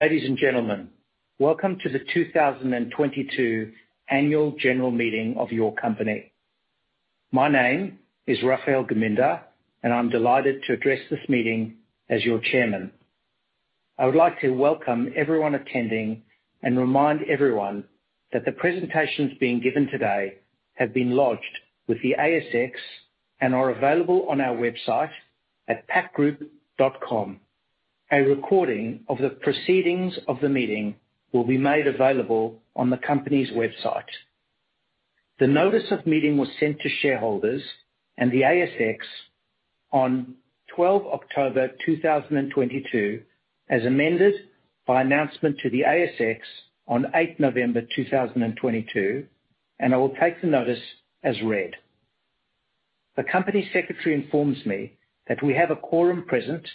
Ladies and gentlemen, welcome to the 2022 annual general meeting of your company. My name is Raphael Geminder, and I'm delighted to address this meeting as your chairman. I would like to welcome everyone attending and remind everyone that the presentations being given today have been lodged with the ASX and are available on our website at pactgroup.com. A recording of the proceedings of the meeting will be made available on the company's website. The notice of meeting was sent to shareholders and the ASX on 12th October 2022, as amended by announcement to the ASX on 8th November 2022, and I will take the notice as read. The company secretary informs me that we have a quorum present.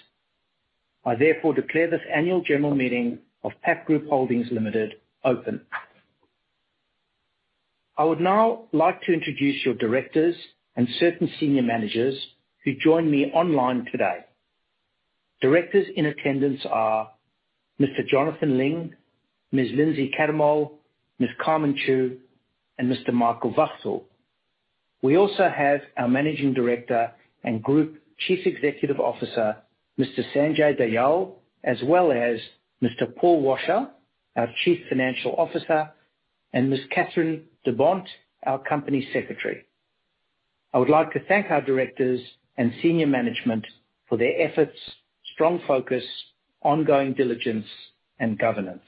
I therefore declare this annual general meeting of Pact Group Holdings Limited open. I would now like to introduce your directors and certain senior managers who join me online today. Directors in attendance are Mr Jonathan Ling, Ms Lyndsey Cattermole AM, Ms Carmen Chua, and Mr Michael Wachtel. We also have our managing director and group chief executive officer, Mr Sanjay Dayal, as well as Mr Paul Washer, our chief financial officer, and Ms Kathryn de Bont, our company secretary. I would like to thank our directors and senior management for their efforts, strong focus, ongoing diligence, and governance.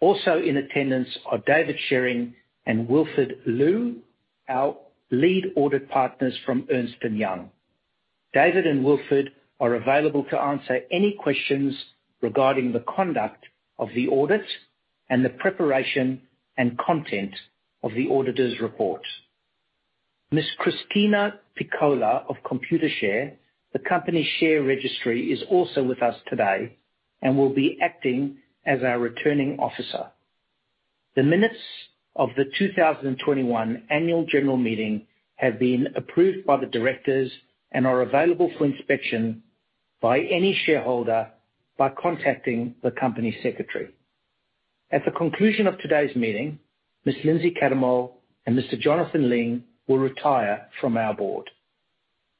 Also in attendance are David Shearing and Wilfred Lu, our lead audit partners from Ernst & Young. David and Wilfred are available to answer any questions regarding the conduct of the audit and the preparation and content of the auditor's report. Ms Christina Piccolo of Computershare, the company share registry, is also with us today and will be acting as our returning officer. The minutes of the 2021 annual general meeting have been approved by the directors and are available for inspection by any shareholder by contacting the company secretary. At the conclusion of today's meeting, Ms. Lyndsey Cattermole and Mr. Jonathan Ling will retire from our board.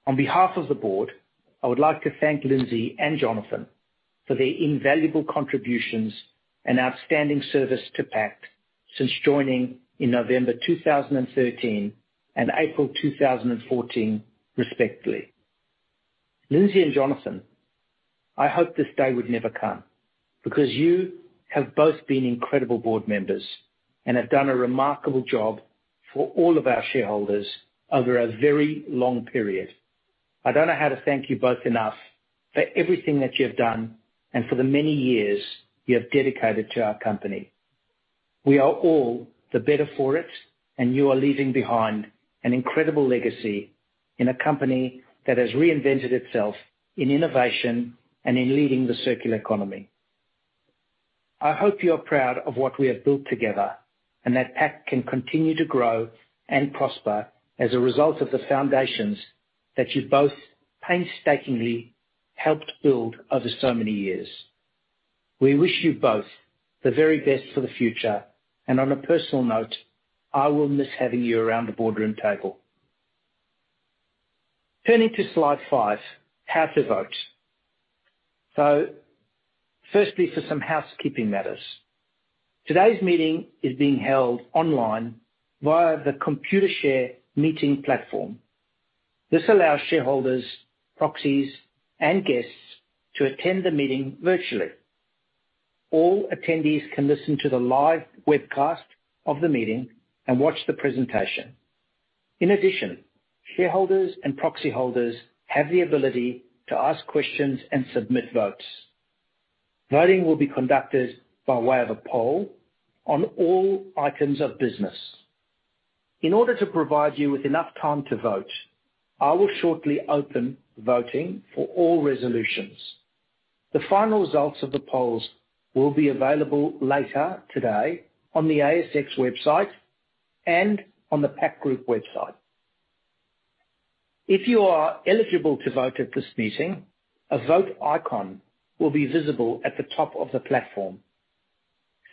On behalf of the board, I would like to thank Lyndsey and Jonathan for their invaluable contributions and outstanding service to Pact since joining in November 2013 and April 2014, respectively. Lyndsey and Jonathan, I hoped this day would never come because you have both been incredible board members and have done a remarkable job for all of our shareholders over a very long period. I don't know how to thank you both enough for everything that you've done and for the many years you have dedicated to our company. We are all the better for it, and you are leaving behind an incredible legacy in a company that has reinvented itself in innovation and in leading the circular economy. I hope you are proud of what we have built together and that Pact can continue to grow and prosper as a result of the foundations that you've both painstakingly helped build over so many years. We wish you both the very best for the future, and on a personal note, I will miss having you around the boardroom table. Turning to slide five, how to vote. Firstly, for some housekeeping matters. Today's meeting is being held online via the Computershare meeting platform. This allows shareholders, proxies, and guests to attend the meeting virtually. All attendees can listen to the live webcast of the meeting and watch the presentation. In addition, shareholders and proxy holders have the ability to ask questions and submit votes. Voting will be conducted by way of a poll on all items of business. In order to provide you with enough time to vote, I will shortly open voting for all resolutions. The final results of the polls will be available later today on the ASX website and on the Pact Group website. If you are eligible to vote at this meeting, a vote icon will be visible at the top of the platform.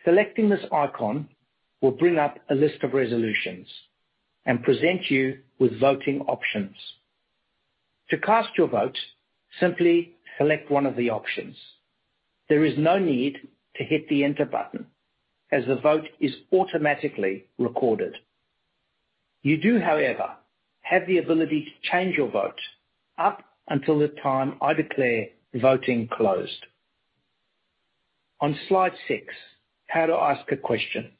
Selecting this icon will bring up a list of resolutions and present you with voting options. To cast your vote, simply select one of the options. There is no need to hit the enter button as the vote is automatically recorded. You do, however, have the ability to change your vote up until the time I declare voting closed. On slide six, how to ask a question.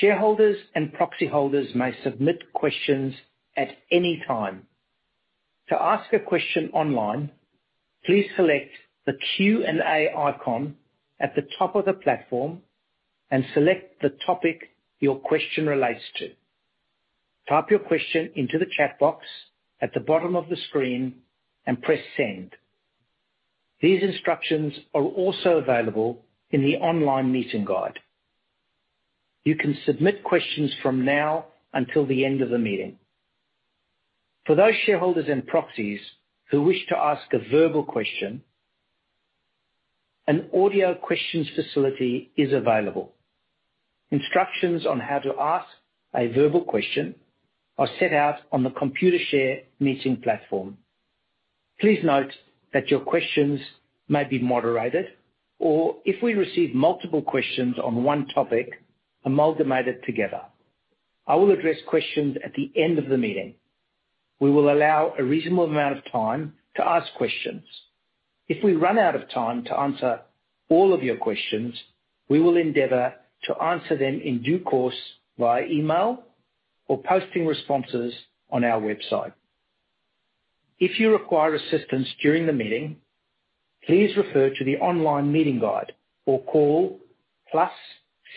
Shareholders and proxy holders may submit questions at any time. To ask a question online, please select the Q&A icon at the top of the platform and select the topic your question relates to. Type your question into the chat box at the bottom of the screen and press send. These instructions are also available in the online meeting guide. You can submit questions from now until the end of the meeting. For those shareholders and proxies who wish to ask a verbal question, an audio questions facility is available. Instructions on how to ask a verbal question are set out on the Computershare meeting platform. Please note that your questions may be moderated or if we receive multiple questions on one topic, amalgamated together. I will address questions at the end of the meeting. We will allow a reasonable amount of time to ask questions. If we run out of time to answer all of your questions, we will endeavor to answer them in due course via email or posting responses on our website. If you require assistance during the meeting, please refer to the online meeting guide or call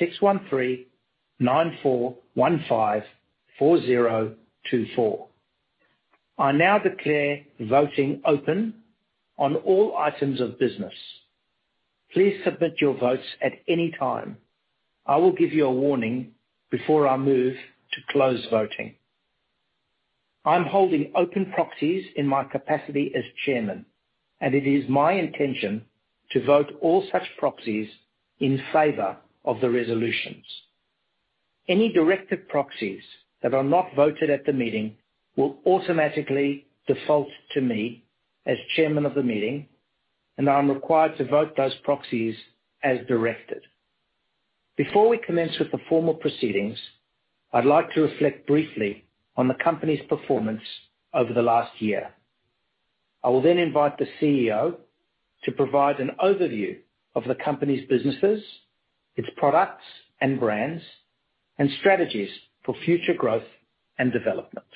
+613-94154024. I now declare voting open on all items of business. Please submit your votes at any time. I will give you a warning before I move to close voting. I'm holding open proxies in my capacity as chairman, and it is my intention to vote all such proxies in favor of the resolutions. Any directed proxies that are not voted at the meeting will automatically default to me as chairman of the meeting, and I'm required to vote those proxies as directed. Before we commence with the formal proceedings, I'd like to reflect briefly on the company's performance over the last year. I will then invite the CEO to provide an overview of the company's businesses, its products and brands, and strategies for future growth and development.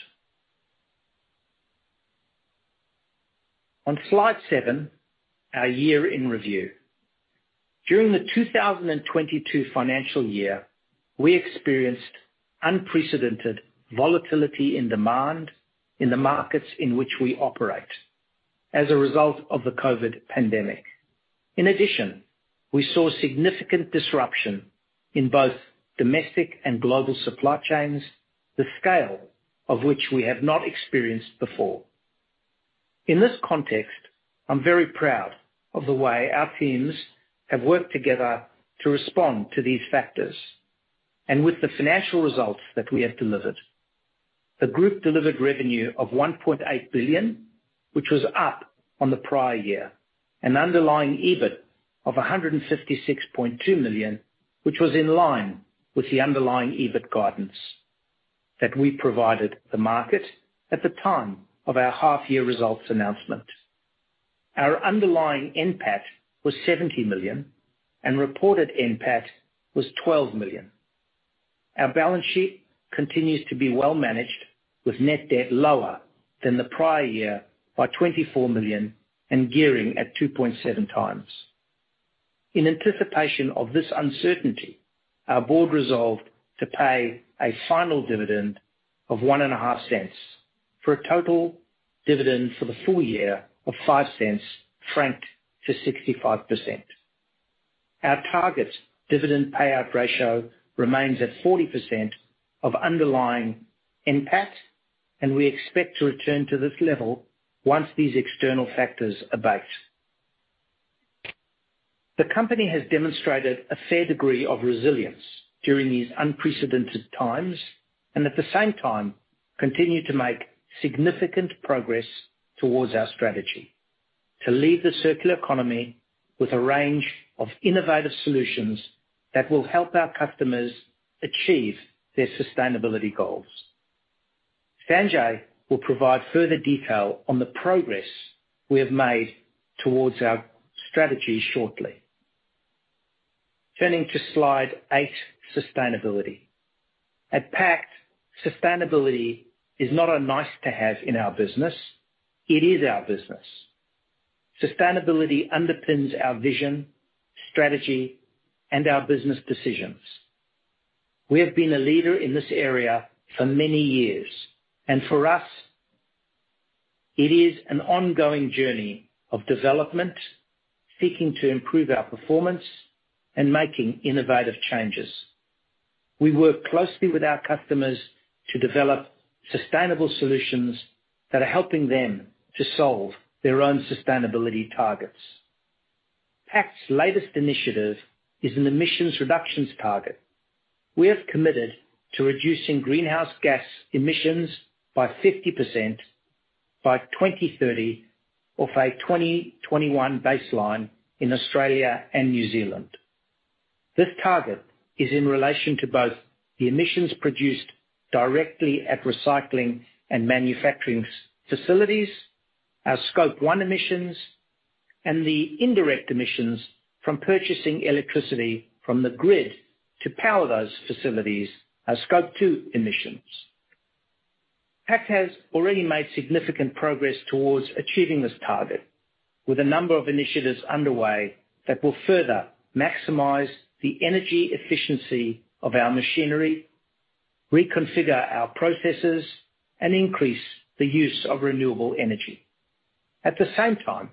On slide seven, our year in review. During the 2022 financial year, we experienced unprecedented volatility in demand in the markets in which we operate as a result of the COVID pandemic. In addition, we saw significant disruption in both domestic and global supply chains, the scale of which we have not experienced before. In this context, I'm very proud of the way our teams have worked together to respond to these factors and with the financial results that we have delivered. The group delivered revenue of 1.8 billion, which was up on the prior year, an underlying EBIT of 156.2 million, which was in line with the underlying EBIT guidance that we provided the market at the time of our half-year results announcement. Our underlying NPAT was 70 million and reported NPAT was 12 million. Our balance sheet continues to be well managed with net debt lower than the prior year by 24 million and gearing at 2.7x. In anticipation of this uncertainty, our board resolved to pay a final dividend of 0.015 for a total dividend for the full year of 0.05 franked to 65%. Our target dividend payout ratio remains at 40% of underlying NPAT, and we expect to return to this level once these external factors abate. The company has demonstrated a fair degree of resilience during these unprecedented times and at the same time continue to make significant progress towards our strategy to lead the circular economy with a range of innovative solutions that will help our customers achieve their sustainability goals. Sanjay will provide further detail on the progress we have made towards our strategy shortly. Turning to slide eight, sustainability. At Pact, sustainability is not a nice to have in our business, it is our business. Sustainability underpins our vision, strategy, and our business decisions. We have been a leader in this area for many years, and for us, it is an ongoing journey of development, seeking to improve our performance and making innovative changes. We work closely with our customers to develop sustainable solutions that are helping them to solve their own sustainability targets. Pact's latest initiative is an emissions reductions target. We have committed to reducing greenhouse gas emissions by 50% by 2030 off a 2021 baseline in Australia and New Zealand. This target is in relation to both the emissions produced directly at recycling and manufacturing facilities, our Scope 1 emissions, and the indirect emissions from purchasing electricity from the grid to power those facilities, our Scope 2 emissions. Pact has already made significant progress towards achieving this target with a number of initiatives underway that will further maximize the energy efficiency of our machinery, reconfigure our processes, and increase the use of renewable energy. At the same time,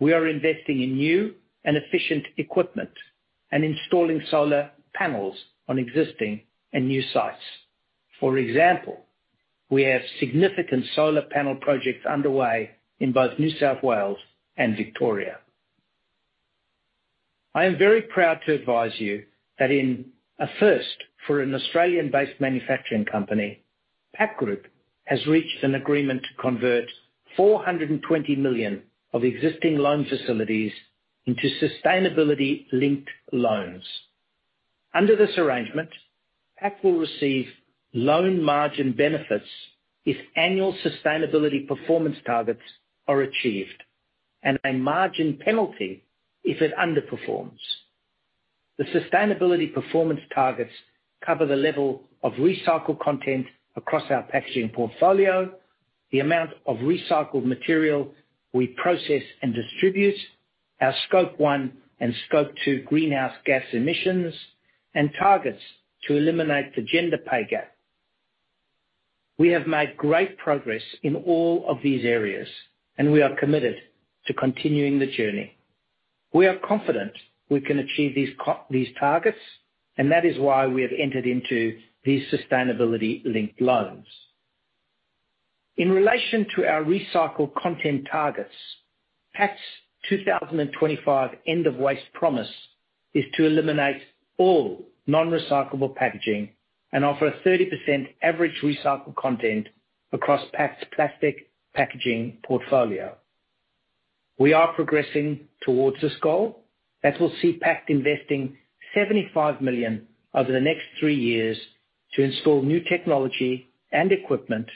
we are investing in new and efficient equipment and installing solar panels on existing and new sites. For example, we have significant solar panel projects underway in both New South Wales and Victoria. I am very proud to advise you that in a first for an Australian-based manufacturing company, Pact Group has reached an agreement to convert 420 million of existing loan facilities into sustainability-linked loans. Under this arrangement, Pact will receive loan margin benefits if annual sustainability performance targets are achieved, and a margin penalty if it underperforms. The sustainability performance targets cover the level of recycled content across our packaging portfolio, the amount of recycled material we process and distribute, our Scope 1 and Scope 2 greenhouse gas emissions, and targets to eliminate the gender pay gap. We have made great progress in all of these areas, and we are committed to continuing the journey. We are confident we can achieve these targets, and that is why we have entered into these sustainability-linked loans. In relation to our recycled content targets, Pact's 2025 end of waste promise is to eliminate all non-recyclable packaging and offer a 30% average recycled content across Pact's plastic packaging portfolio. We are progressing towards this goal that will see Pact investing 75 million over the next three years to install new technology and equipment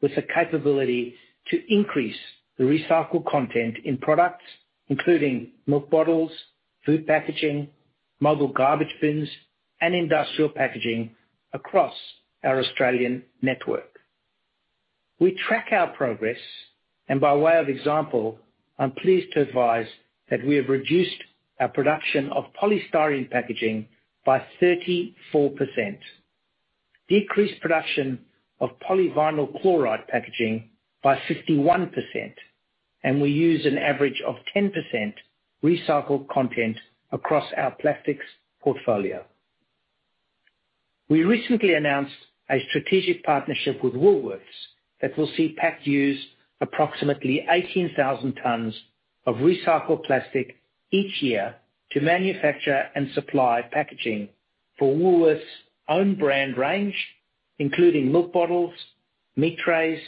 with the capability to increase the recycled content in products, including milk bottles, food packaging, mobile garbage bins, and industrial packaging across our Australian network. We track our progress, and by way of example, I'm pleased to advise that we have reduced our production of polystyrene packaging by 34%, decreased production of polyvinyl chloride packaging by 61%, and we use an average of 10% recycled content across our plastics portfolio. We recently announced a strategic partnership with Woolworths that will see Pact use approximately 18,000 tons of recycled plastic each year to manufacture and supply packaging for Woolworths own brand range, including milk bottles, meat trays,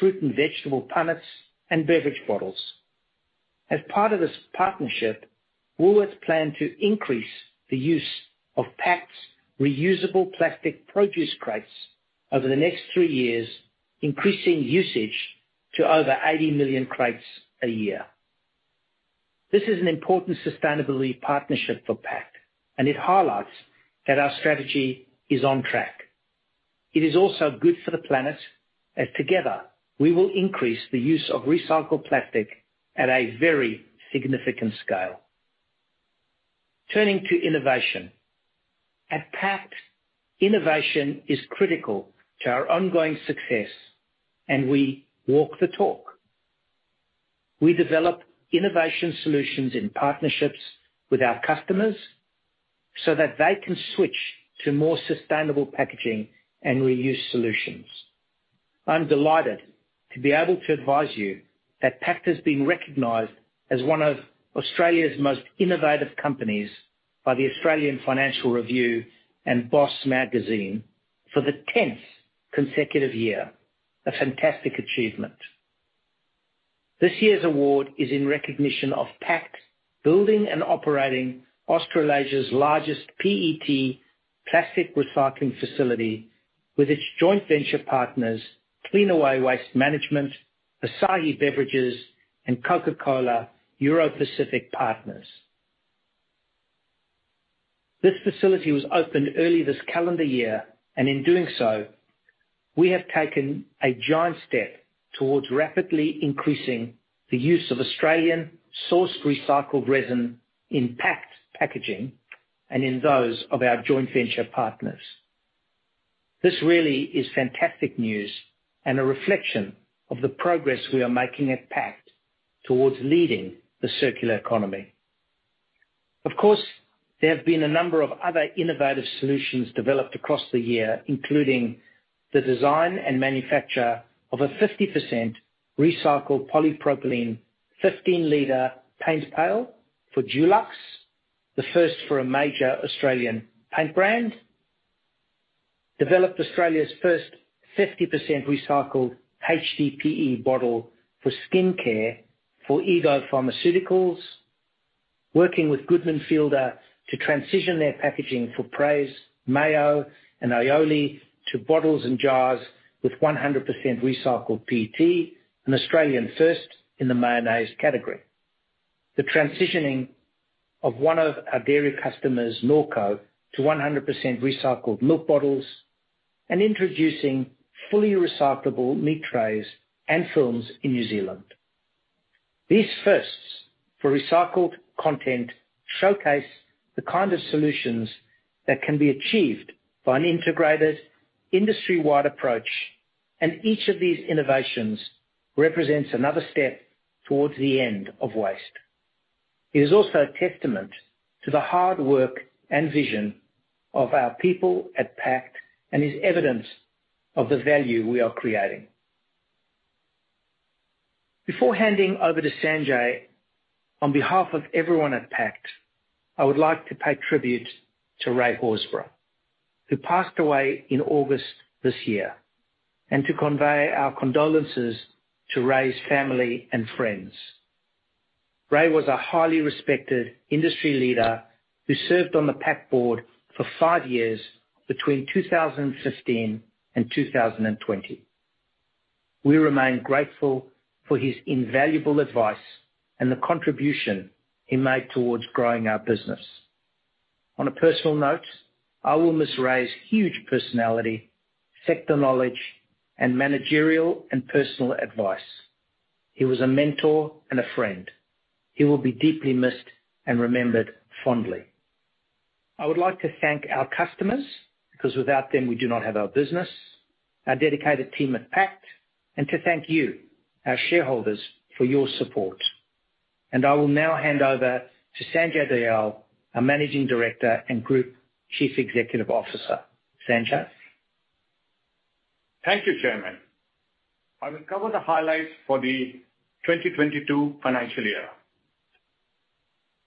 fruit and vegetable punnets, and beverage bottles. As part of this partnership, Woolworths plan to increase the use of Pact's reusable plastic produce crates over the next three years, increasing usage to over 80 million crates a year. This is an important sustainability partnership for Pact, and it highlights that our strategy is on track. It is also good for the planet as together, we will increase the use of recycled plastic at a very significant scale. Turning to innovation. At Pact, innovation is critical to our ongoing success, and we walk the talk. We develop innovation solutions in partnerships with our customers so that they can switch to more sustainable packaging and reuse solutions. I'm delighted to be able to advise you that Pact has been recognized as one of Australia's most innovative companies by the Australian Financial Review and BOSS Magazine for the tenth consecutive year. A fantastic achievement. This year's award is in recognition of Pact building and operating Australasia's largest PET plastic recycling facility with its joint venture partners, Cleanaway Waste Management, Asahi Beverages, and Coca-Cola Europacific Partners. This facility was opened early this calendar year, and in doing so, we have taken a giant step towards rapidly increasing the use of Australian sourced recycled resin in Pact packaging and in those of our joint venture partners. This really is fantastic news and a reflection of the progress we are making at Pact towards leading the circular economy. Of course, there have been a number of other innovative solutions developed across the year, including the design and manufacture of a 50% recycled polypropylene 15-liter paint pail for Dulux, the first for a major Australian paint brand. Developed Australia's first 50% recycled HDPE bottle for skincare for Ego Pharmaceuticals, working with Goodman Fielder to transition their packaging for Praise mayo and aioli to bottles and jars with 100% recycled PET, an Australian first in the mayonnaise category. The transitioning of one of our dairy customers, Norco, to 100% recycled milk bottles and introducing fully recyclable meat trays and films in New Zealand. These firsts for recycled content showcase the kind of solutions that can be achieved by an integrated industry-wide approach, and each of these innovations represents another step towards the end of waste. It is also a testament to the hard work and vision of our people at Pact and is evidence of the value we are creating. Before handing over to Sanjay, on behalf of everyone at Pact, I would like to pay tribute to Ray Horsburgh, who passed away in August this year, and to convey our condolences to Ray's family and friends. Ray was a highly respected industry leader who served on the Pact board for five years between 2015 and 2020. We remain grateful for his invaluable advice and the contribution he made towards growing our business. On a personal note, I will miss Ray's huge personality, sector knowledge, and managerial and personal advice. He was a mentor and a friend. He will be deeply missed and remembered fondly. I would like to thank our customers, because without them we do not have our business, our dedicated team at Pact, and to thank you, our shareholders, for your support. I will now hand over to Sanjay Dayal, our Managing Director and Group Chief Executive Officer. Sanjay. Thank you, Chairman. I will cover the highlights for the 2022 financial year.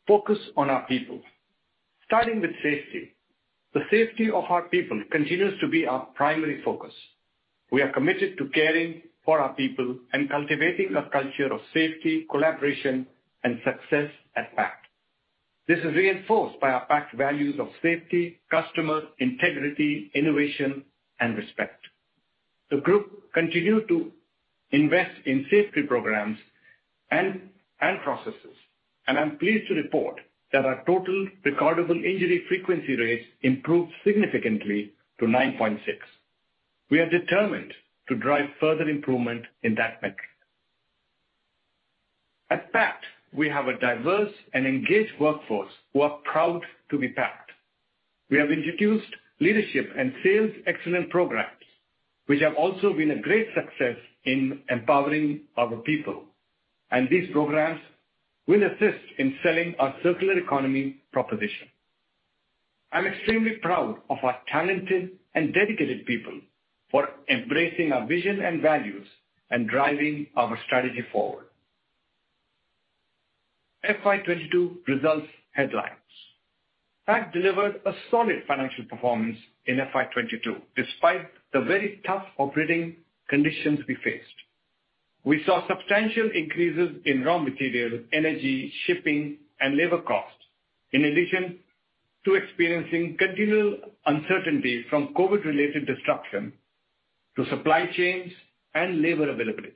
Focus on our people. Starting with safety. The safety of our people continues to be our primary focus. We are committed to caring for our people and cultivating a culture of safety, collaboration, and success at Pact. This is reinforced by our Pact values of safety, customer, integrity, innovation, and respect. The group continued to invest in safety programs and processes, and I'm pleased to report that our total recordable injury frequency rates improved significantly to 9.6. We are determined to drive further improvement in that metric. At Pact, we have a diverse and engaged workforce who are proud to be Pact. We have introduced leadership and sales excellence programs, which have also been a great success in empowering our people, and these programs will assist in selling our circular economy proposition. I'm extremely proud of our talented and dedicated people for embracing our vision and values and driving our strategy forward. FY 2022 results headlines. Pact delivered a solid financial performance in FY 2022, despite the very tough operating conditions we faced. We saw substantial increases in raw material, energy, shipping, and labor costs. In addition to experiencing continual uncertainty from COVID-related disruption to supply chains and labor availability.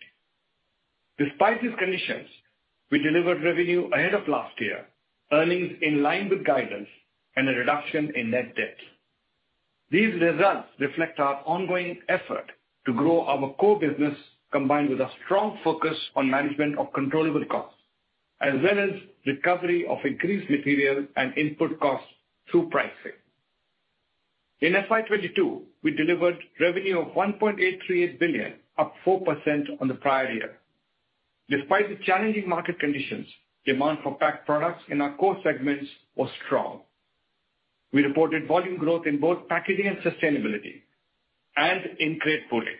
Despite these conditions, we delivered revenue ahead of last year, earnings in line with guidance, and a reduction in net debt. These results reflect our ongoing effort to grow our core business, combined with a strong focus on management of controllable costs, as well as recovery of increased material and input costs through pricing. In FY 2022, we delivered revenue of 1.838 billion, up 4% on the prior year. Despite the challenging market conditions, demand for Pact products in our core segments was strong. We reported volume growth in both packaging and sustainability and in crate pooling,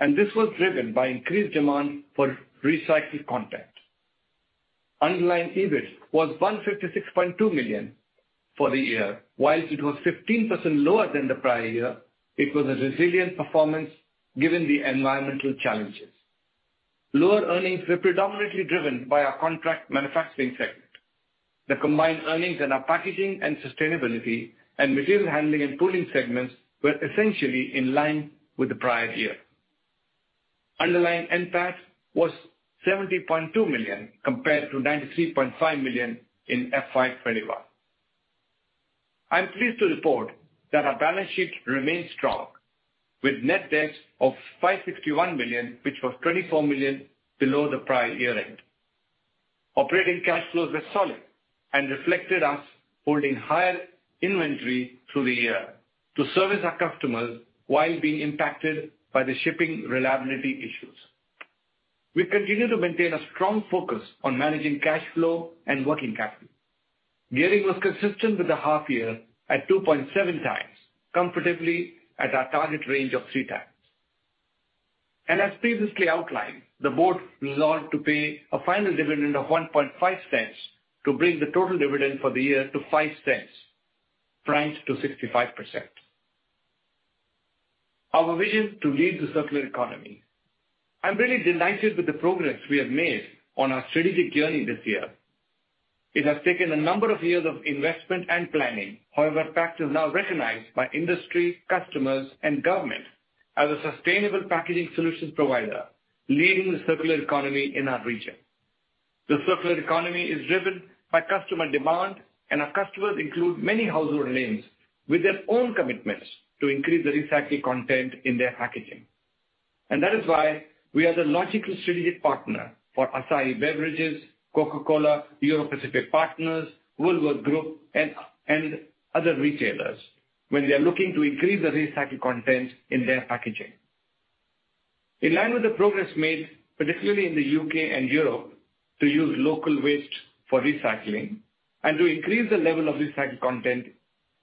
and this was driven by increased demand for recycled content. Underlying EBIT was 156.2 million for the year. Whilst it was 15% lower than the prior year, it was a resilient performance given the environmental challenges. Lower earnings were predominantly driven by our contract manufacturing segment. The combined earnings in our packaging and sustainability and material handling and pooling segments were essentially in line with the prior year. Underlying NPAT was 70.2 million, compared to 93.5 million in FY 2021. I'm pleased to report that our balance sheet remains strong, with net debt of 561 million, which was 24 million below the prior year end. Operating cash flows were solid and reflected us holding higher inventory through the year to service our customers while being impacted by the shipping reliability issues. We continue to maintain a strong focus on managing cash flow and working capital. Gearing was consistent with the half year at 2.7x, comfortably at our target range of 3x. As previously outlined, the board resolved to pay a final dividend of 0.015 to bring the total dividend for the year to 0.05, franked to 65%. Our vision to lead the circular economy. I'm really delighted with the progress we have made on our strategic journey this year. It has taken a number of years of investment and planning. However, Pact is now recognized by industry, customers, and government as a sustainable packaging solutions provider, leading the circular economy in our region. The circular economy is driven by customer demand, and our customers include many household names with their own commitments to increase the recycled content in their packaging. That is why we are the logical strategic partner for Asahi Beverages, Coca-Cola Europacific Partners, Woolworths Group, and other retailers when they are looking to increase the recycled content in their packaging. In line with the progress made, particularly in the U.K. and Europe, to use local waste for recycling and to increase the level of recycled content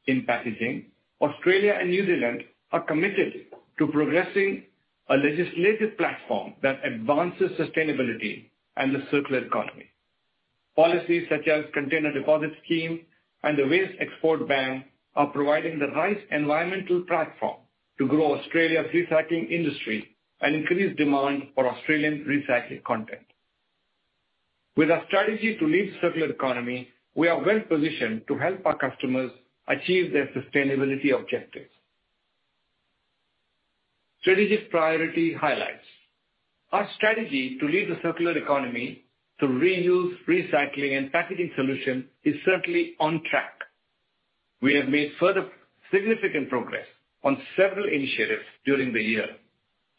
in packaging, Australia and New Zealand are committed to progressing a legislative platform that advances sustainability and the circular economy. Policies such as container deposit scheme and the waste export ban are providing the right environmental platform to grow Australia's recycling industry and increase demand for Australian recycled content. With our strategy to lead circular economy, we are well-positioned to help our customers achieve their sustainability objectives. Strategic priority highlights. Our strategy to lead the circular economy through reuse, recycling, and packaging solution is certainly on track. We have made further significant progress on several initiatives during the year,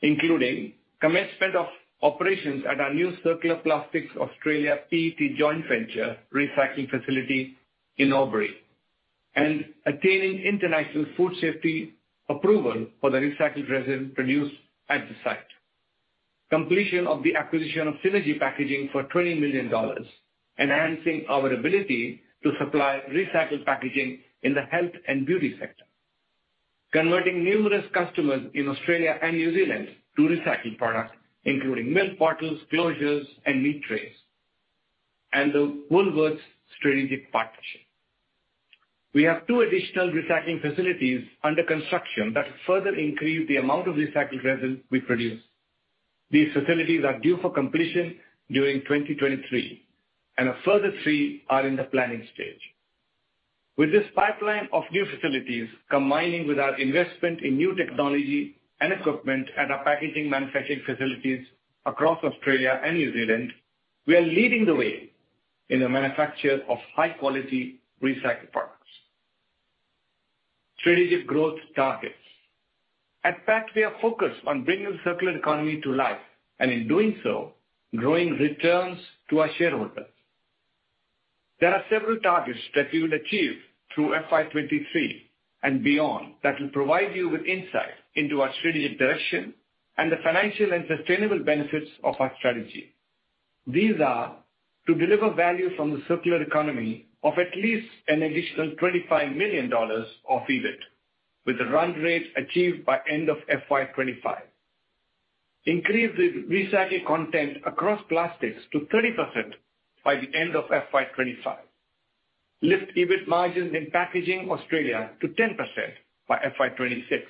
including commencement of operations at our new Circular Plastics Australia PET joint venture recycling facility in Albury and attaining international food safety approval for the recycled resin produced at the site. Completion of the acquisition of Synergy Packaging for 20 million dollars, enhancing our ability to supply recycled packaging in the health and beauty sector. Converting numerous customers in Australia and New Zealand to recycled products, including milk bottles, closures, and meat trays, and the Woolworths strategic partnership. We have two additional recycling facilities under construction that further increase the amount of recycled resin we produce. These facilities are due for completion during 2023, and a further three are in the planning stage. With this pipeline of new facilities combining with our investment in new technology and equipment at our packaging manufacturing facilities across Australia and New Zealand, we are leading the way in the manufacture of high-quality recycled products. Strategic growth targets. At Pact, we are focused on bringing circular economy to life and, in doing so, growing returns to our shareholders. There are several targets that we will achieve through FY 2023 and beyond that will provide you with insight into our strategic direction and the financial and sustainable benefits of our strategy. These are to deliver value from the circular economy of at least an additional 25 million dollars of EBIT, with the run rate achieved by end of FY 2025. Increase the recycled content across plastics to 30% by the end of FY 2025. Lift EBIT margins in Packaging Australia to 10% by FY 2026.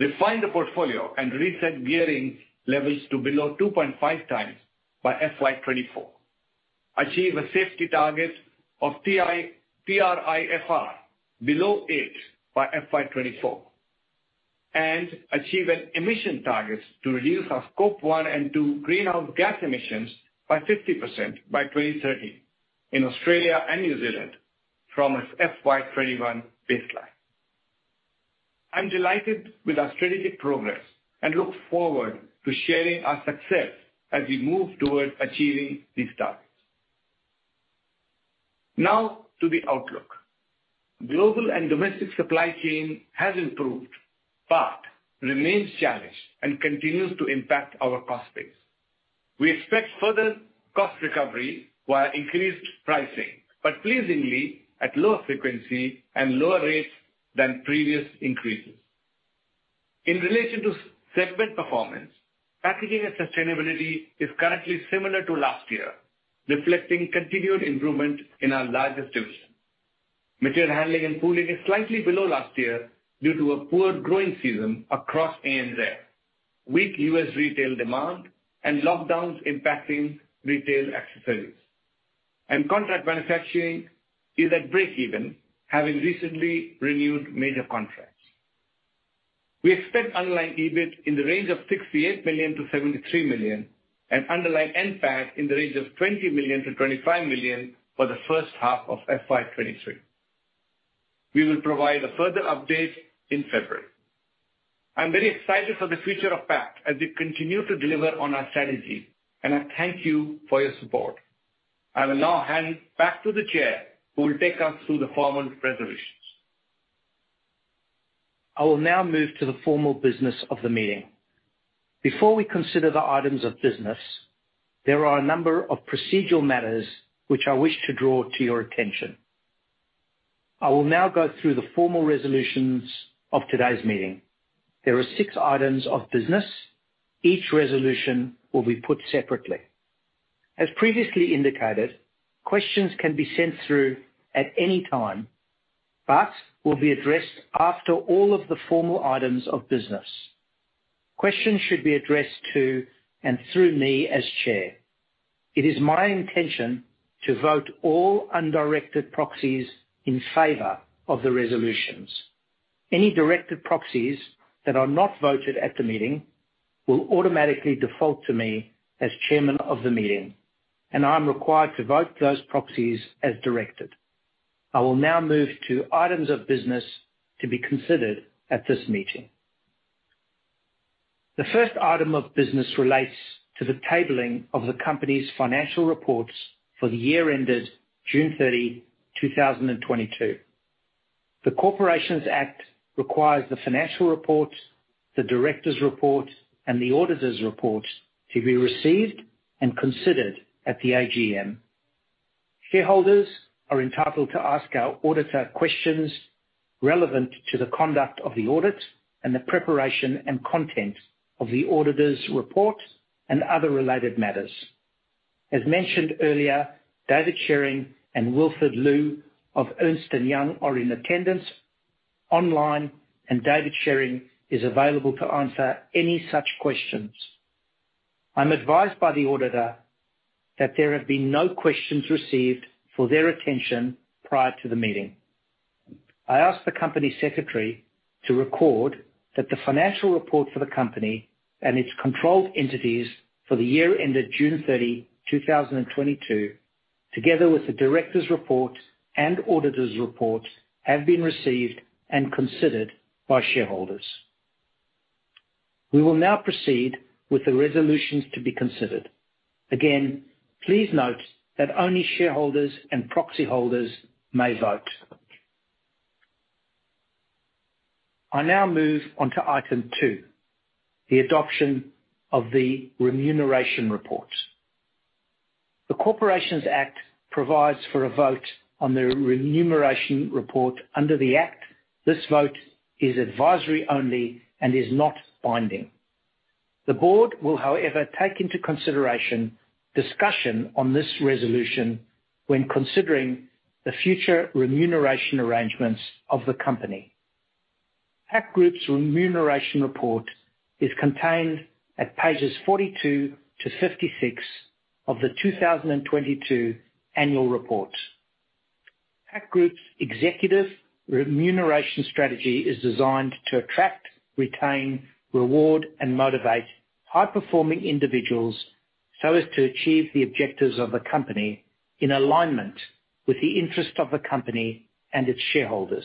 Refine the portfolio and reset gearing levels to below 2.5x by FY 2024. Achieve a safety target of TRIFR below eight by FY 2024, and achieve an emission target to reduce our Scope 1 and 2 greenhouse gas emissions by 50% by 2030 in Australia and New Zealand from its FY 2021 baseline. I'm delighted with our strategic progress and look forward to sharing our success as we move towards achieving these targets. Now to the outlook. Global and domestic supply chain has improved but remains challenged and continues to impact our cost base. We expect further cost recovery via increased pricing, but pleasingly at lower frequency and lower rates than previous increases. In relation to segment performance, packaging and sustainability is currently similar to last year, reflecting continued improvement in our largest division. Material handling and pooling is slightly below last year due to a poor growing season across ANZ, weak U.S. retail demand, and lockdowns impacting retail accessories. Contract manufacturing is at break even, having recently renewed major contracts. We expect underlying EBIT in the range of 68 million-73 million and underlying NPAT in the range of 20 million-25 million for the first half of FY 2023. We will provide a further update in February. I'm very excited for the future of Pact as we continue to deliver on our strategy, and I thank you for your support. I will now hand back to the chair who will take us through the formal resolutions. I will now move to the formal business of the meeting. Before we consider the items of business, there are a number of procedural matters which I wish to draw to your attention. I will now go through the formal resolutions of today's meeting. There are six items of business. Each resolution will be put separately. As previously indicated, questions can be sent through at any time, but will be addressed after all of the formal items of business. Questions should be addressed to and through me as chair. It is my intention to vote all undirected proxies in favor of the resolutions. Any directed proxies that are not voted at the meeting will automatically default to me as chairman of the meeting, and I'm required to vote those proxies as directed. I will now move to items of business to be considered at this meeting. The first item of business relates to the tabling of the company's financial reports for the year ended June 30, 2022. The Corporations Act requires the financial report, the director's report, and the auditor's report to be received and considered at the AGM. Shareholders are entitled to ask our auditor questions relevant to the conduct of the audit and the preparation and content of the auditor's report and other related matters. As mentioned earlier, David Shearing and Wilfred Lu of Ernst & Young are in attendance online, and David Shearing is available to answer any such questions. I'm advised by the auditor that there have been no questions received for their attention prior to the meeting. I ask the company secretary to record that the financial report for the company and its controlled entities for the year ended June 30, 2022, together with the director's report and auditor's report, have been received and considered by shareholders. We will now proceed with the resolutions to be considered. Again, please note that only shareholders and proxy holders may vote. I now move on to Item 2, the adoption of the remuneration report. The Corporations Act provides for a vote on the remuneration report under the act. This vote is advisory only and is not binding. The board will, however, take into consideration discussion on this resolution when considering the future remuneration arrangements of the company. Pact Group's remuneration report is contained at pages 42 to 56 of the 2022 annual report. Pact Group's executive remuneration strategy is designed to attract, retain, reward, and motivate high-performing individuals so as to achieve the objectives of the company in alignment with the interest of the company and its shareholders.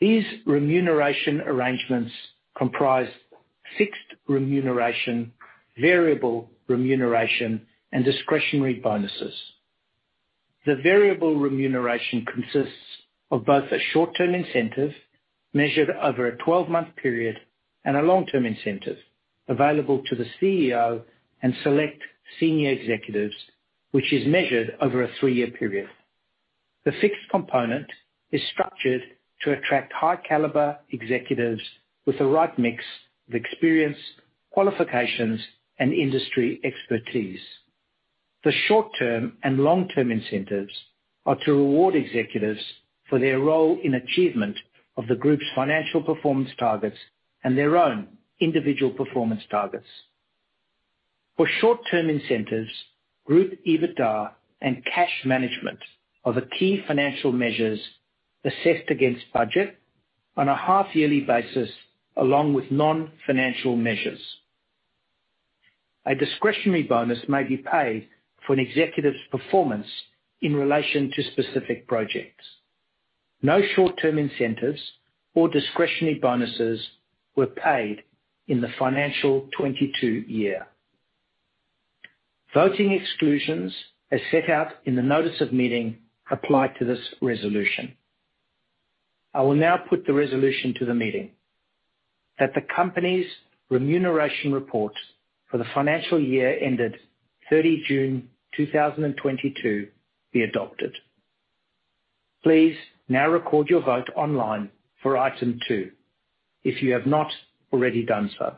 These remuneration arrangements comprise fixed remuneration, variable remuneration, and discretionary bonuses. The variable remuneration consists of both a short-term incentive measured over a 12-month period and a long-term incentive available to the CEO and select senior executives, which is measured over a three-year period. The fixed component is structured to attract high caliber executives with the right mix of experience, qualifications, and industry expertise. The short-term and long-term incentives are to reward executives for their role in achievement of the group's financial performance targets and their own individual performance targets. For short-term incentives, group EBITDA and cash management are the key financial measures assessed against budget on a half-yearly basis, along with non-financial measures. A discretionary bonus may be paid for an executive's performance in relation to specific projects. No short-term incentives or discretionary bonuses were paid in the financial 2022 year. Voting exclusions, as set out in the notice of meeting, apply to this resolution. I will now put the resolution to the meeting. That the company's remuneration report for the financial year ended June 30 2022 be adopted. Please now record your vote online for Item 2 if you have not already done so.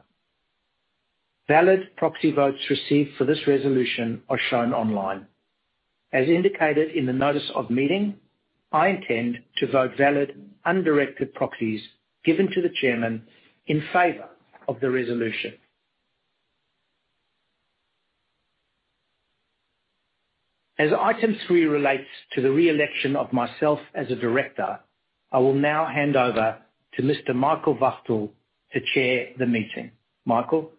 Valid proxy votes received for this resolution are shown online. As indicated in the notice of meeting, I intend to vote valid undirected proxies given to the chairman in favor of the resolution. As Item 3 relates to the re-election of myself as a director, I will now hand over to Mr. Michael Wachtel to chair the meeting. Michael.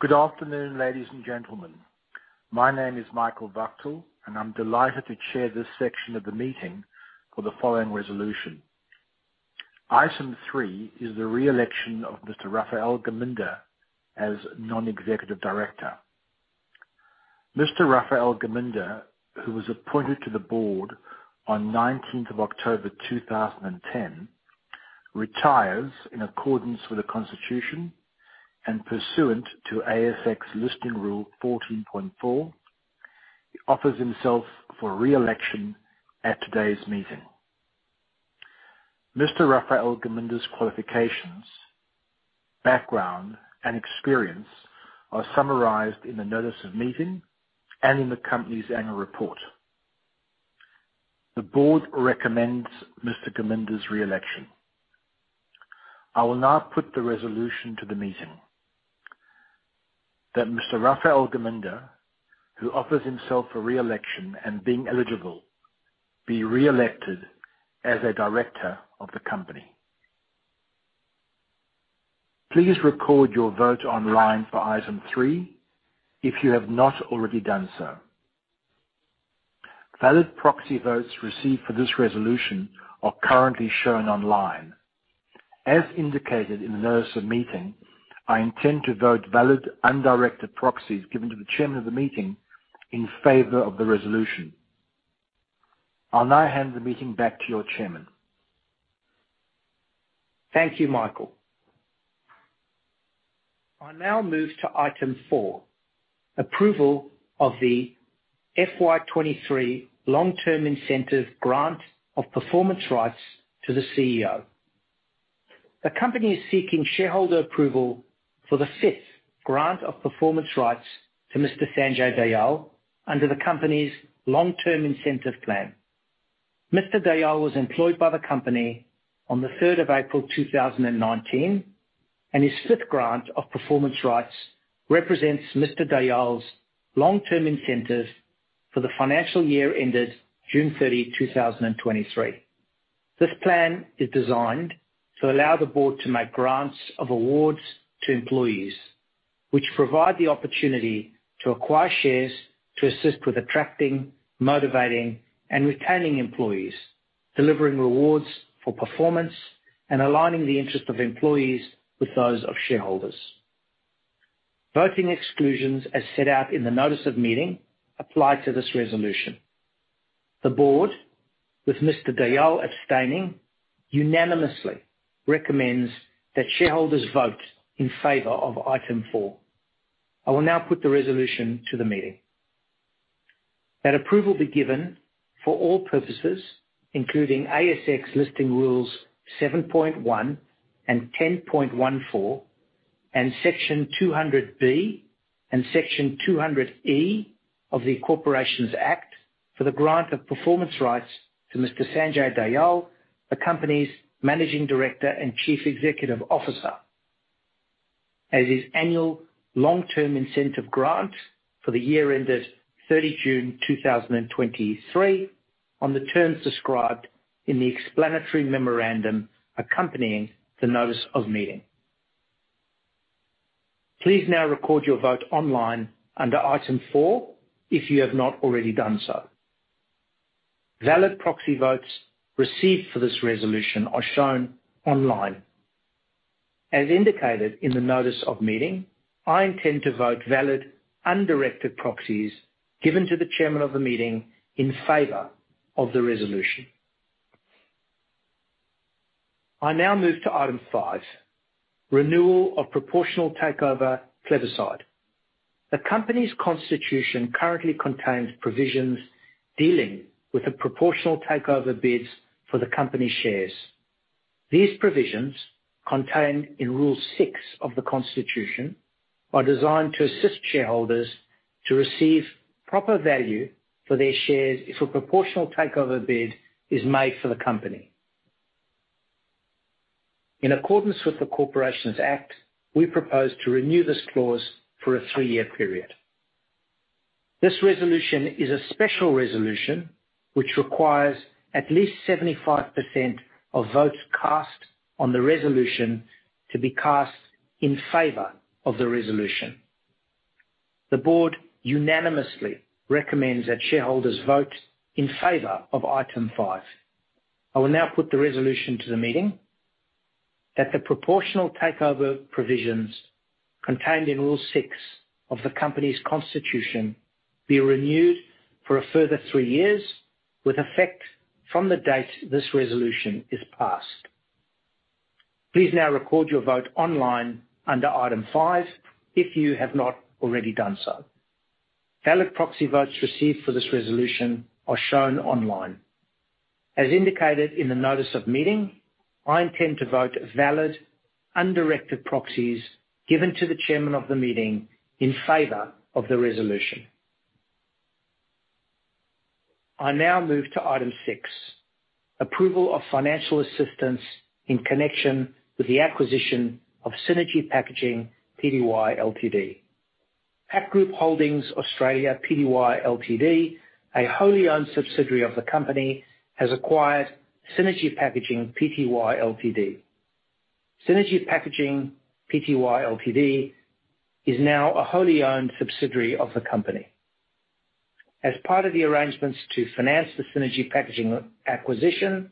Good afternoon, ladies and gentlemen. My name is Michael Wachtel, and I'm delighted to chair this section of the meeting for the following resolution. Item 3 is the re-election of Mr. Raphael Geminder as non-executive director. Mr. Raphael Geminder, who was appointed to the board on October 19 2010, retires in accordance with the constitution and pursuant to ASX listing rule 14.4. He offers himself for re-election at today's meeting. Mr. Raphael Geminder's qualifications, background, and experience are summarized in the notice of meeting and in the company's annual report. The board recommends Mr. Geminder's re-election. I will now put the resolution to the meeting. That Mr. Raphael Geminder, who offers himself for re-election and being eligible, be re-elected as a director of the company. Please record your vote online for Item 3 if you have not already done so. Valid proxy votes received for this resolution are currently shown online. As indicated in the notice of meeting, I intend to vote valid undirected proxies given to the chairman of the meeting in favor of the resolution. I'll now hand the meeting back to your chairman. Thank you, Michael. I now move to Item 4, approval of the FY 2023 long-term incentive grant of performance rights to the CEO. The company is seeking shareholder approval for the fifth grant of performance rights to Mr. Sanjay Dayal under the company's Long-Term Incentive Plan. Mr. Dayal was employed by the company on the third of April 2019, and his fifth grant of performance rights represents Mr. Dayal's long-term incentives for the financial year ended June 30, 2023. This plan is designed to allow the board to make grants of awards to employees, which provide the opportunity to acquire shares to assist with attracting, motivating, and retaining employees, delivering rewards for performance, and aligning the interest of employees with those of shareholders. Voting exclusions, as set out in the notice of meeting, apply to this resolution. The board, with Mr. Dayal abstaining, unanimously recommends that shareholders vote in favor of item four. I will now put the resolution to the meeting. That approval be given for all purposes, including ASX listing rules 7.1 and 10.14 and Section 200B and Section 200E of the Corporations Act for the grant of performance rights to Mr. Sanjay Dayal, the company's Managing Director and Chief Executive Officer, as his annual long-term incentive grant for the year ended June 30 2023 on the terms described in the explanatory memorandum accompanying the notice of meeting. Please now record your vote online under Item 4 if you have not already done so. Valid proxy votes received for this resolution are shown online. As indicated in the notice of meeting, I intend to vote valid undirected proxies given to the chairman of the meeting in favor of the resolution. I now move to Item 5, renewal of proportional takeover plebiscite. The company's constitution currently contains provisions dealing with the proportional takeover bids for the company shares. These provisions, contained in Rule 6 of the Constitution, are designed to assist shareholders to receive proper value for their shares if a proportional takeover bid is made for the company. In accordance with the Corporations Act, we propose to renew this clause for a three-year period. This resolution is a special resolution, which requires at least 75% of votes cast on the resolution to be cast in favor of the resolution. The board unanimously recommends that shareholders vote in favor of Item 5. I will now put the resolution to the meeting. That the proportional takeover provisions contained in Rule 6 of the company's constitution be renewed for a further three years with effect from the date this resolution is passed. Please now record your vote online under Item 5 if you have not already done so. Valid proxy votes received for this resolution are shown online. As indicated in the notice of meeting, I intend to vote valid undirected proxies given to the chairman of the meeting in favor of the resolution. I now move to Item 6, approval of financial assistance in connection with the acquisition of Synergy Packaging Pty Ltd. Pact Group Holdings Australia Pty Ltd, a wholly owned subsidiary of the company, has acquired Synergy Packaging Pty Ltd. Synergy Packaging Pty Ltd is now a wholly owned subsidiary of the company. As part of the arrangements to finance the Synergy Packaging acquisition,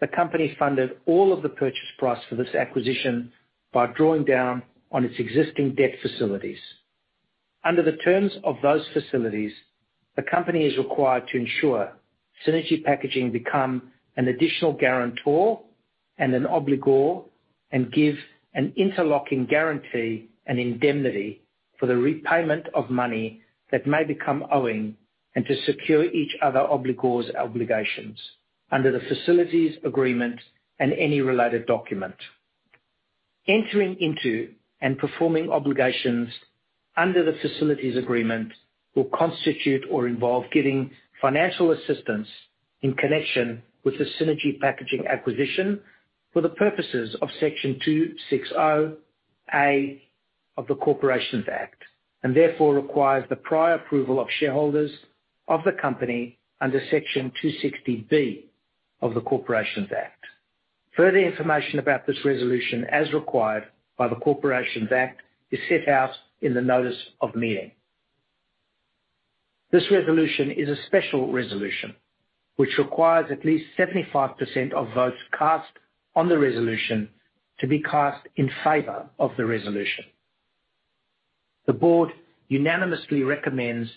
the company funded all of the purchase price for this acquisition by drawing down on its existing debt facilities. Under the terms of those facilities, the company is required to ensure Synergy Packaging become an additional guarantor and an obligor and give an interlocking guarantee and indemnity for the repayment of money that may become owing and to secure each other obligor's obligations under the facilities agreement and any related document. Entering into and performing obligations under the facilities agreement will constitute or involve giving financial assistance in connection with the Synergy Packaging acquisition for the purposes of Section 260A of the Corporations Act, and therefore requires the prior approval of shareholders of the company under Section 260B of the Corporations Act. Further information about this resolution as required by the Corporations Act is set out in the notice of meeting. This resolution is a special resolution which requires at least 75% of votes cast on the resolution to be cast in favor of the resolution. The board unanimously recommends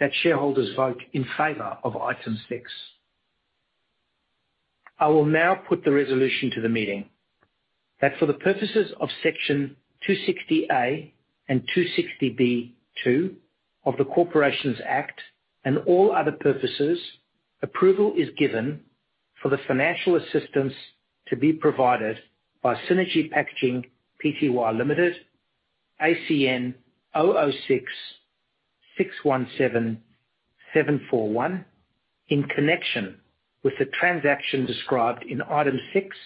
that shareholders vote in favor of Item 6. I will now put the resolution to the meeting. That for the purposes of Section 260A and 260B of the Corporations Act and all other purposes, approval is given for the financial assistance to be provided by Synergy Packaging Pty Ltd ACN 006 617 741 in connection with the transaction described in item six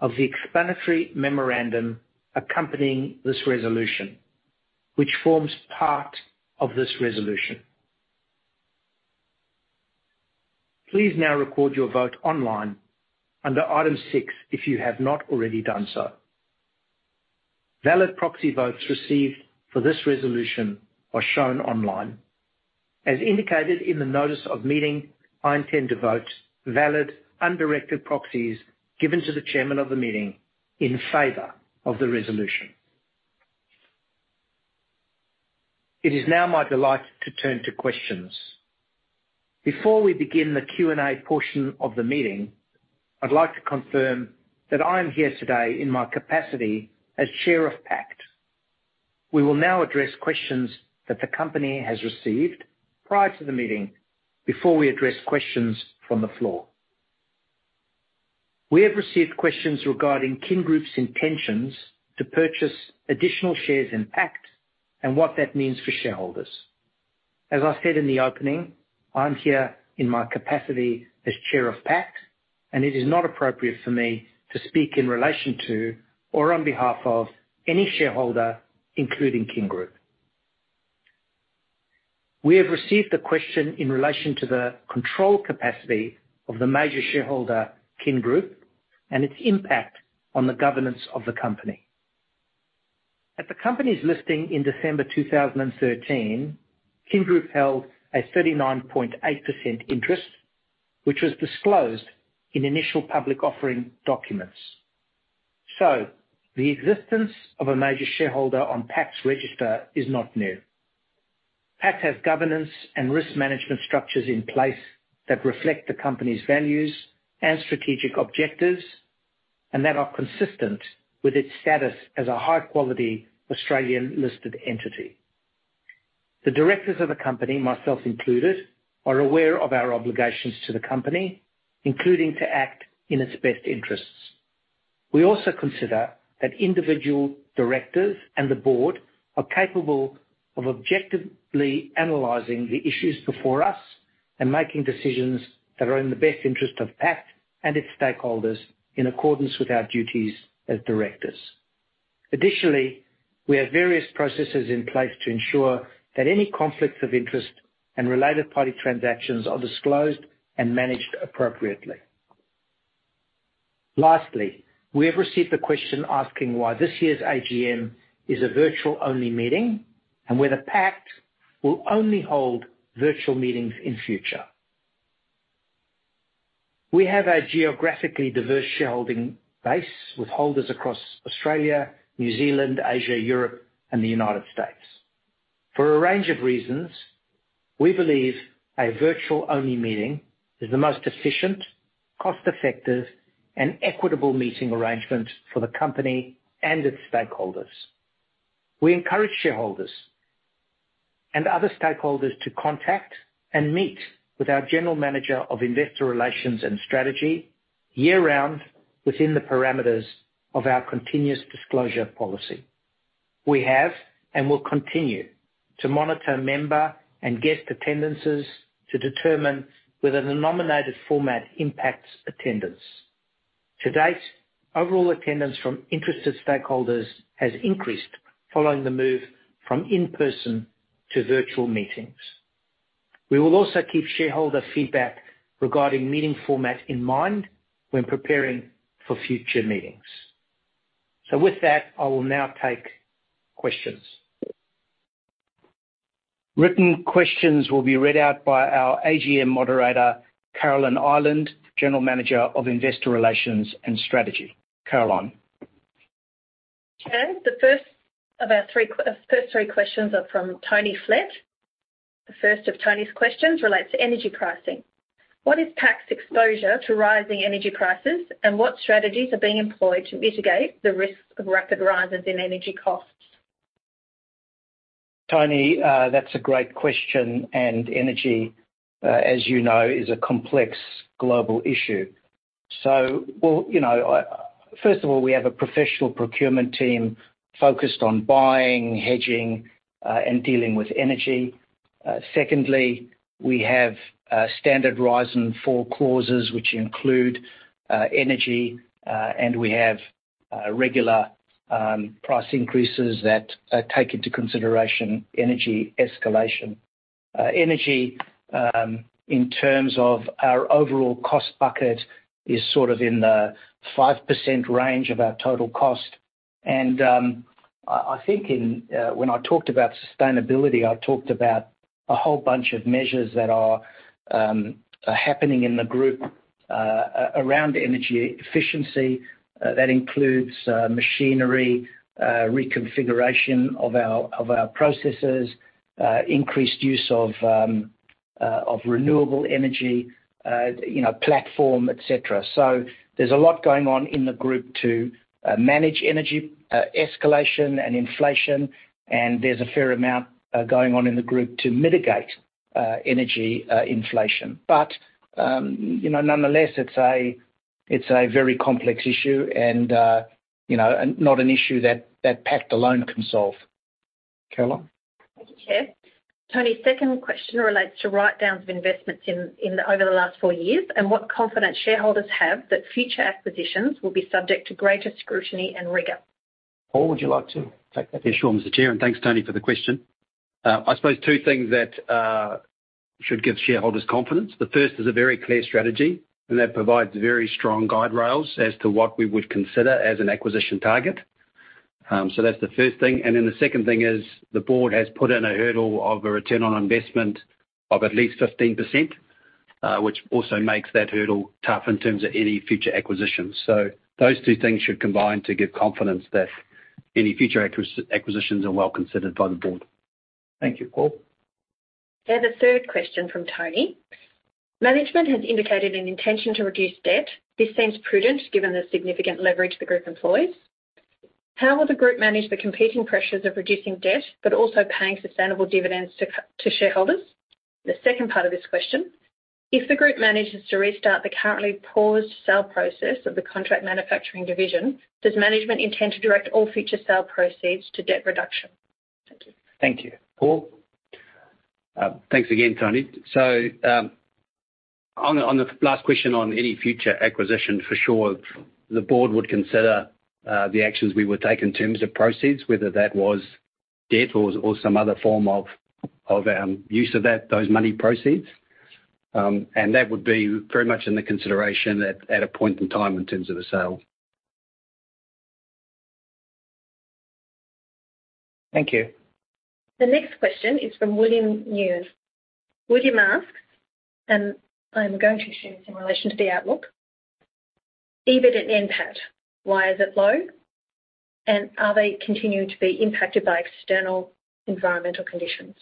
of the explanatory memorandum accompanying this resolution, which forms part of this resolution. Please now record your vote online under item six if you have not already done so. Valid proxy votes received for this resolution are shown online. As indicated in the notice of meeting, I intend to vote valid undirected proxies given to the chairman of the meeting in favor of the resolution. It is now my delight to turn to questions. Before we begin the Q&A portion of the meeting, I'd like to confirm that I am here today in my capacity as chair of Pact. We will now address questions that the company has received prior to the meeting before we address questions from the floor. We have received questions regarding Kin Group's intentions to purchase additional shares in Pact and what that means for shareholders. As I said in the opening, I'm here in my capacity as chair of Pact, and it is not appropriate for me to speak in relation to or on behalf of any shareholder, including Kin Group. We have received the question in relation to the control capacity of the major shareholder, Kin Group, and its impact on the governance of the company. At the company's listing in December 2013, Kin Group held a 39.8% interest, which was disclosed in initial public offering documents. The existence of a major shareholder on Pact's register is not new. Pact has governance and risk management structures in place that reflect the company's values and strategic objectives and that are consistent with its status as a high-quality Australian-listed entity. The directors of the company, myself included, are aware of our obligations to the company, including to act in its best interests. We also consider that individual directors and the board are capable of objectively analyzing the issues before us and making decisions that are in the best interest of Pact and its stakeholders in accordance with our duties as directors. Additionally, we have various processes in place to ensure that any conflicts of interest and related party transactions are disclosed and managed appropriately. Lastly, we have received the question asking why this year's AGM is a virtual-only meeting and whether Pact will only hold virtual meetings in future. We have a geographically diverse shareholding base with holders across Australia, New Zealand, Asia, Europe and the United States. For a range of reasons, we believe a virtual-only meeting is the most efficient, cost-effective and equitable meeting arrangement for the company and its stakeholders. We encourage shareholders and other stakeholders to contact and meet with our General Manager of Investor Relations and Strategy year-round within the parameters of our continuous disclosure policy. We have, and will continue to monitor member and guest attendances to determine whether the nominated format impacts attendance. To date, overall attendance from interested stakeholders has increased following the move from in-person to virtual meetings. We will also keep shareholder feedback regarding meeting format in mind when preparing for future meetings. With that, I will now take questions. Written questions will be read out by our AGM moderator, Carolyn Ireland, General Manager of Investor Relations and Strategy. Carolyn. Chair, the first three questions are from Tony Flett. The first of Tony's questions relates to energy pricing. What is PACT's exposure to rising energy prices, and what strategies are being employed to mitigate the risk of rapid rises in energy costs? Tony, that's a great question, and energy, as you know, is a complex global issue. Well, you know, first of all, we have a professional procurement team focused on buying, hedging, and dealing with energy. Secondly, we have standard rise and fall clauses, which include energy, and we have regular price increases that take into consideration energy escalation. Energy, in terms of our overall cost bucket is sort of in the 5% range of our total cost. I think when I talked about sustainability, I talked about a whole bunch of measures that are happening in the group around energy efficiency. That includes machinery reconfiguration of our processes, increased use of renewable energy, you know, platform, et cetera. There's a lot going on in the group to manage energy escalation and inflation, and there's a fair amount going on in the group to mitigate energy inflation. You know, and not an issue that Pact alone can solve. Carolyn? Thank you, Chair. Tony's second question relates to write-downs of investments over the last four years, and what confidence shareholders have that future acquisitions will be subject to greater scrutiny and rigor. Paul, would you like to take that one? Yeah, sure, Mr. Chair, and thanks, Tony, for the question. I suppose two things that should give shareholders confidence. The first is a very clear strategy, and that provides very strong guide rails as to what we would consider as an acquisition target. That's the first thing. The second thing is the board has put in a hurdle of a return on investment of at least 15%, which also makes that hurdle tough in terms of any future acquisitions. Those two things should combine to give confidence that any future acquisitions are well considered by the board. Thank you, Paul. The third question from Tony: Management has indicated an intention to reduce debt. This seems prudent given the significant leverage the group employs. How will the group manage the competing pressures of reducing debt but also paying sustainable dividends to shareholders? The second part of this question: If the group manages to restart the currently paused sale process of the contract manufacturing division, does management intend to direct all future sale proceeds to debt reduction? Thank you. Thank you. Paul? Thanks again, Tony. On the last question, on any future acquisition, for sure, the board would consider the actions we would take in terms of proceeds, whether that was debt or some other form of use of those money proceeds. That would be very much in the consideration at a point in time in terms of a sale. Thank you. The next question is from William Neus. William asks, and I'm going to assume it's in relation to the outlook, EBIT and NPAT, why is it low? And are they continuing to be impacted by external environmental conditions?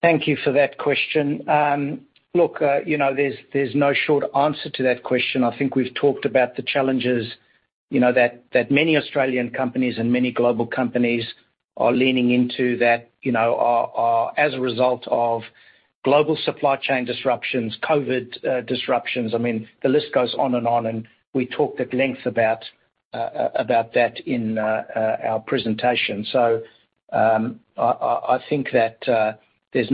Thank you for that question. Look, you know, there's no short answer to that question. I think we've talked about the challenges, you know, that many Australian companies and many global companies are leaning into that, you know, are as a result of global supply chain disruptions, COVID disruptions. I mean, the list goes on and on, and we talked at length about that in our presentation. I think that there's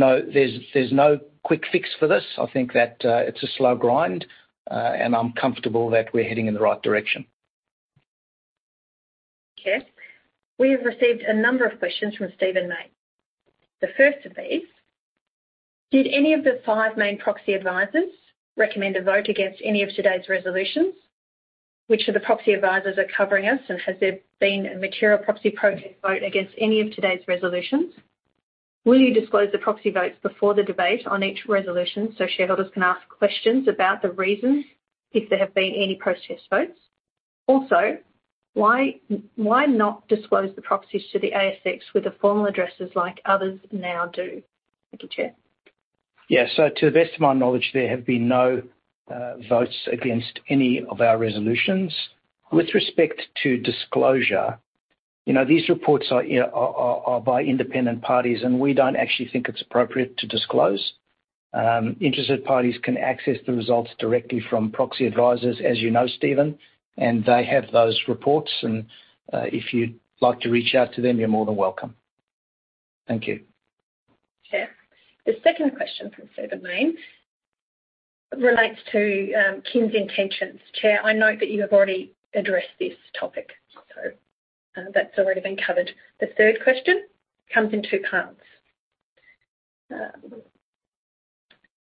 no quick fix for this. I think that it's a slow grind, and I'm comfortable that we're heading in the right direction. Okay. We have received a number of questions from Stephen Mayne. The first of these: Did any of the five main proxy advisors recommend a vote against any of today's resolutions? Which of the proxy advisors are covering us, and has there been a material proxy protest vote against any of today's resolutions? Will you disclose the proxy votes before the debate on each resolution so shareholders can ask questions about the reasons if there have been any protest votes? Also, why not disclose the proxies to the ASX with the formal addresses like others now do? Thank you, Chair. Yeah. To the best of my knowledge, there have been no votes against any of our resolutions. With respect to disclosure, these reports are by independent parties, and we don't actually think it's appropriate to disclose. Interested parties can access the results directly from proxy advisors, as you know, Stephen, and they have those reports. If you'd like to reach out to them, you're more than welcome. Thank you. Chair. The second question from Stephen Mayne relates to Kim's intentions. Chair, I note that you have already addressed this topic, so that's already been covered. The third question comes in two parts.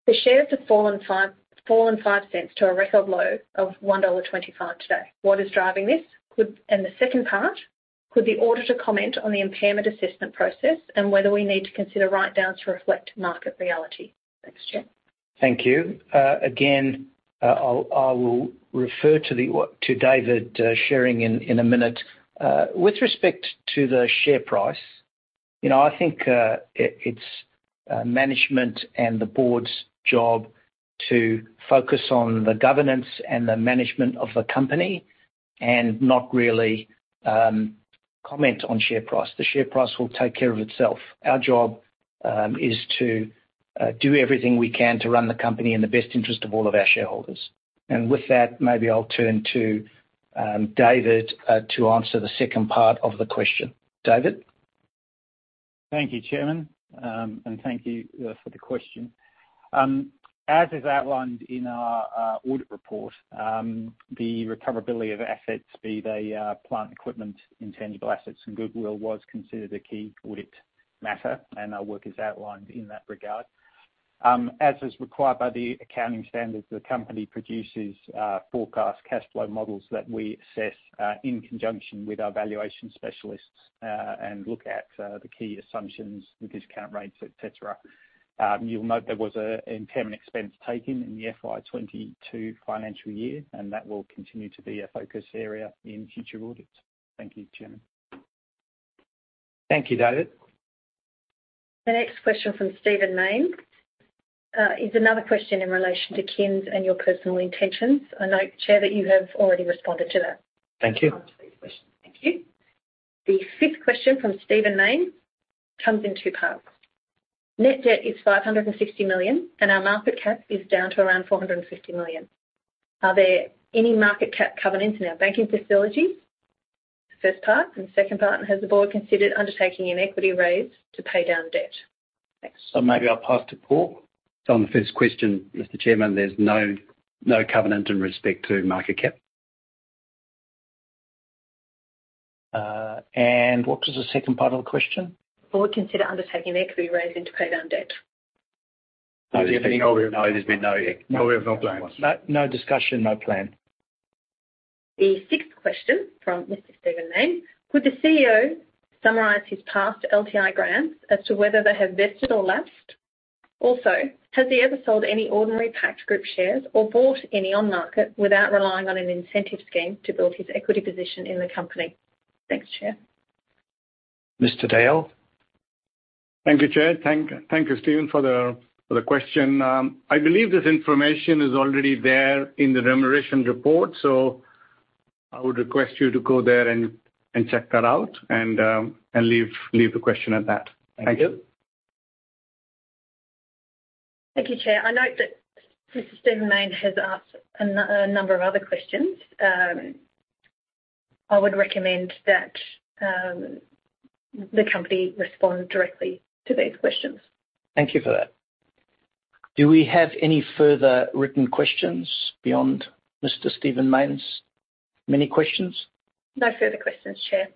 The shares have fallen 0.05 to a record low of 1.25 dollar today. What is driving this? And the second part: Could the auditor comment on the impairment assessment process and whether we need to consider write-downs to reflect market reality? Thanks, Chair. Thank you. Again, I will refer to David Shearing in a minute. With respect to the share price, you know, I think it's management and the board's job to focus on the governance and the management of the company and not really comment on share price. The share price will take care of itself. Our job is to do everything we can to run the company in the best interest of all of our shareholders. With that, maybe I'll turn to David to answer the second part of the question. David? Thank you, Chairman, and thank you for the question. As is outlined in our audit report, the recoverability of assets, be they plant equipment, intangible assets and goodwill was considered a key audit matter, and our work is outlined in that regard. As is required by the accounting standards, the company produces forecast cash flow models that we assess in conjunction with our valuation specialists and look at the key assumptions, the discount rates, et cetera. You'll note there was an impairment expense taken in the FY 2022 financial year, and that will continue to be a focus area in future audits. Thank you, Chairman. Thank you, David. The next question from Stephen Mayne is another question in relation to Kims and your personal intentions. I know, Chair, that you have already responded to that. Thank you. Thank you. The fifth question from Stephen Mayne comes in two parts. Net debt is 560 million, and our market cap is down to around 450 million. Are there any market cap covenants in our banking facilities? First part. The second part, has the board considered undertaking an equity raise to pay down debt? Thanks. Maybe I'll pass to Paul. On the first question, Mr. Chairman, there's no covenant in respect to market cap. What was the second part of the question? Will it consider undertaking equity raise into pay down debt? No. No. There's been no-No, we have no plans. No, no discussion, no plan. The sixth question from Mr. Stephen Mayne: Would the CEO summarize his past LTI grants as to whether they have vested or lapsed? Also, has he ever sold any ordinary Pact Group shares or bought any on market without relying on an incentive scheme to build his equity position in the company? Thanks, Chair. Mr. Dayal. Thank you, Chair. Thank you, Stephen, for the question. I believe this information is already there in the remuneration report, so I would request you to go there and check that out and leave the question at that. Thank you. Thank you, Chair. I note that Mr. Stephen Mayne has asked a number of other questions. I would recommend that the company respond directly to these questions. Thank you for that. Do we have any further written questions beyond Mr. Stephen Mayne's many questions? No further questions, Chair.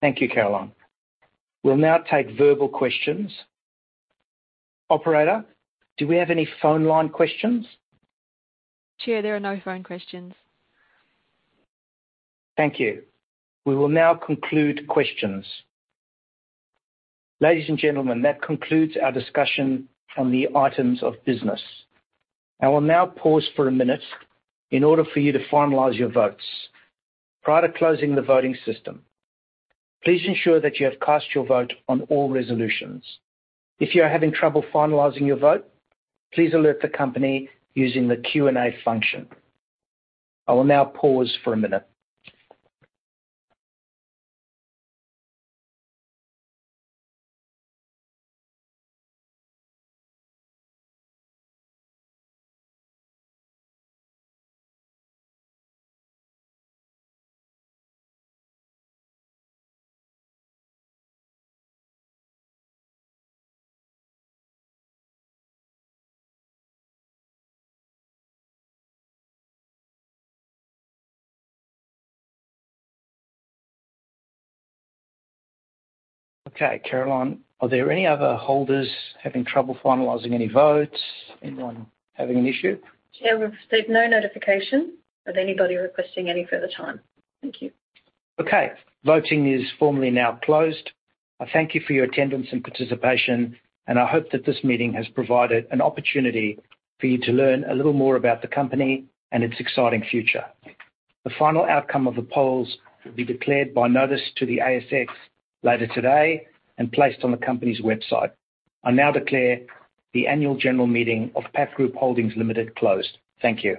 Thank you, Carolyn. We'll now take verbal questions. Operator, do we have any phone line questions? Chair, there are no phone questions. Thank you. We will now conclude questions. Ladies and gentlemen, that concludes our discussion on the items of business. I will now pause for a minute in order for you to finalize your votes. Prior to closing the voting system, please ensure that you have cast your vote on all resolutions. If you are having trouble finalizing your vote, please alert the company using the Q&A function. I will now pause for a minute. Okay, Carolyn, are there any other holders having trouble finalizing any votes? Anyone having an issue? Chair, we've received no notification of anybody requesting any further time. Thank you. Okay. Voting is formally now closed. I thank you for your attendance and participation, and I hope that this meeting has provided an opportunity for you to learn a little more about the company and its exciting future. The final outcome of the polls will be declared by notice to the ASX later today and placed on the company's website. I now declare the annual general meeting of Pact Group Holdings Limited closed. Thank you.